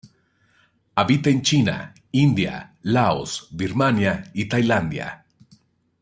Habita en China, India, Laos, Birmania y Tailandia.